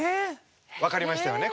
分かりましたよね？